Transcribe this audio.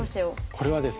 これはですね